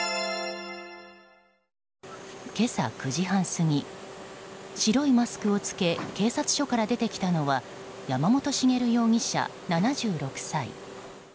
今朝９時半過ぎ白いマスクを着け警察署から出てきたのは山本茂容疑者、７６歳。